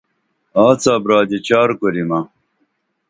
آڅا برادی چار کوریمہ